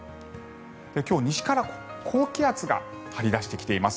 今日、西から高気圧が張り出してきています。